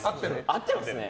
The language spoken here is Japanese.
合ってますね。